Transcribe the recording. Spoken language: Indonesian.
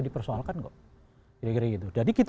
dipersoalkan jadi kita